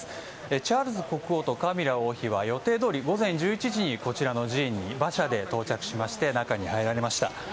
チャールズ国王とカミラ王妃は予定どおり午前１１時にこちらの寺院に馬車で到着しまして中に入られました。